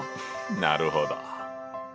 なるほど！